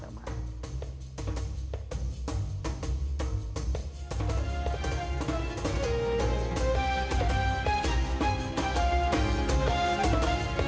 terima kasih ahilman